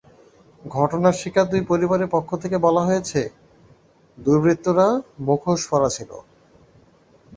ঘটনার শিকার দুই পরিবারের পক্ষ থেকে বলা হয়েছে, দুর্বৃত্তরা মুখোশ পরা ছিল।